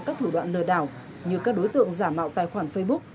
các thủ đoạn lừa đảo như các đối tượng giả mạo tài khoản facebook